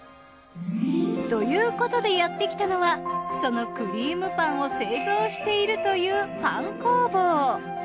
ということでやってきたのはそのくりーむパンを製造しているというパン工房。